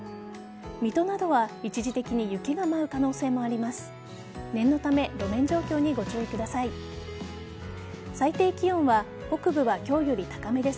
水戸などは一時的に雪が舞う可能性もあります。